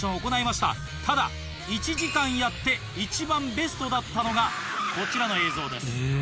ただ１時間やって一番ベストだったのがこちらの映像です。